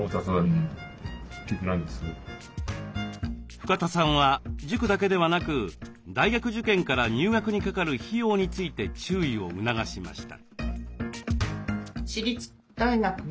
深田さんは塾だけではなく大学受験から入学にかかる費用について注意を促しました。